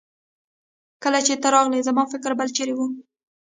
کله چې ته راغلې زما فکر بل چيرې وه.